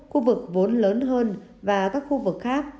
khu vực vốn lớn hơn và các khu vực khác